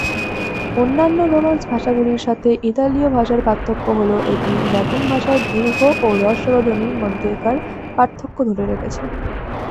অন্যান্য রোমান্স ভাষাগুলির সাথে ইতালীয় ভাষার পার্থক্য হল এটি লাতিন ভাষার দীর্ঘ ও হ্রস্ব স্বরধ্বনির মধ্যকার পার্থক্য ধরে রেখেছে।